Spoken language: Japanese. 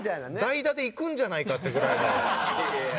代打でいくんじゃないかっていうぐらいの勢いで。